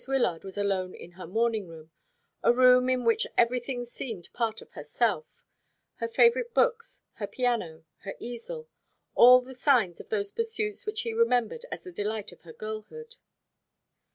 Wyllard was alone in her morning room, a room in which everything seemed part of herself her favourite books, her piano, her easel all the signs of those pursuits which he remembered as the delight of her girlhood.